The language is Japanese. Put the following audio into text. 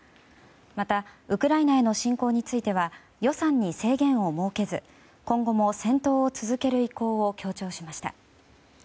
また、ウクライナへの侵攻については予算に制限を設けず今後も戦闘を続ける意向を強調しました。